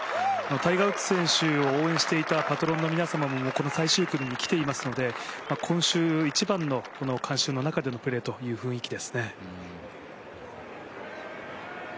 タイガー・ウッズ選手を応援していたパトロンの皆様もこの最終組に来ていますので今週一番の観衆の中でのプレーという雰囲気ですね。